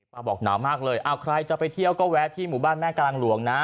บอกหนาวมากเลยอ้าวใครจะไปเที่ยวก็แวะที่หมู่บ้านแม่กลางหลวงนะ